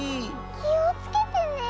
きをつけてね。